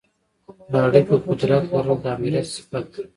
د اړیکو قدرت لرل د آمریت صفت دی.